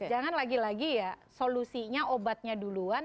jangan lagi lagi ya solusinya obatnya duluan